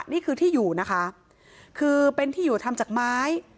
นี่คือที่อยู่นะคะคือเป็นที่อยู่ทำจากไม้